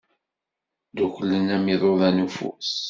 Dduklen am yiḍudan n ufus.